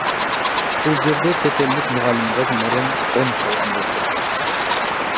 Ал жерде чет элдик мугалим кыз мурун конуп калган болчу.